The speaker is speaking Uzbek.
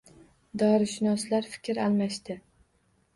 Dorishunoslar fikr almashdi